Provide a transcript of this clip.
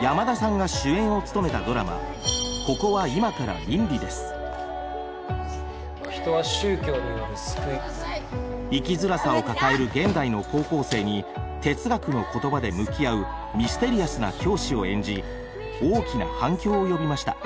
山田さんが主演を務めたドラマ生きづらさを抱える現代の高校生に哲学の言葉で向き合うミステリアスな教師を演じ大きな反響を呼びました。